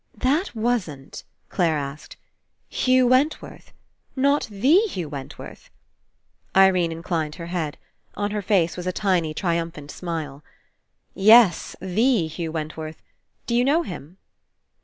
"That wasn't," Clare asked, "Hugh Wentworth? Not the Hugh Wentworth?" Irene incHned her head. On her face was a tiny triumphant smile. "Yes, the Hugh Wentworth. D'you know him?"